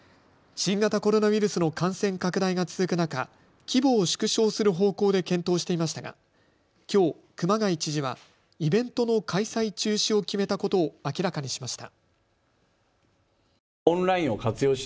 新型コロナウイルスの感染拡大が続く中、規模を縮小する方向で検討していましたがきょう、熊谷知事はイベントの開催中止を決めたことを明らかにしました。